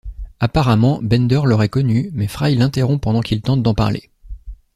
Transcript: Apparemment Bender l'aurait connu mais Fry l'interrompt pendant qu'il tente d'en parler.